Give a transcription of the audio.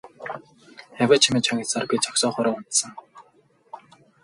Авиа чимээ чагнасаар би зогсоогоороо унтсан.